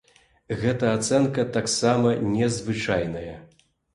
Гэта ацэнка таксама незвычайная.